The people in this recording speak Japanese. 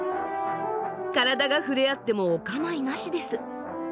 体が触れ合ってもお構いなしです。